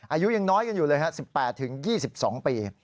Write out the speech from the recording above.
อายุยังน้อยกันอยู่เลยฮะ๑๘๒๒ปี